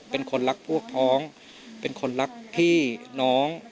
เป็นคนรักพวกพ้องเป็นคนรักพี่น้อง